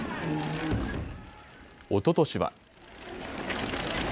おととしは。